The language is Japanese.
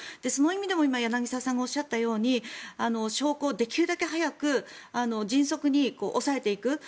その意味でも、今柳澤さんがおっしゃったように証拠をできるだけ早く迅速に押さえていく。